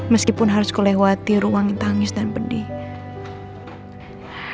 meskipun harus ku lewati ruang yang tangis dan pedih